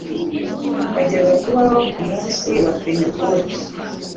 wajyaga kubaho ku munsi wa Pentekote.